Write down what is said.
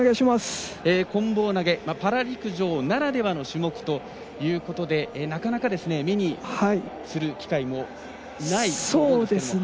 こん棒投げ、パラ陸上ならではの種目ということでなかなか目にする機会もない種目。